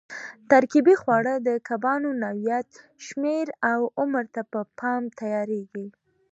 ترکیبي خواړه د کبانو نوعیت، شمېر او عمر ته په پام تیارېږي.